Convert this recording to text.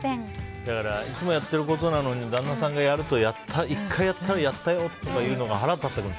だからいつもやっていることなのに旦那さんが１回やったらやったよとか言うのが腹立ってくるんでしょ。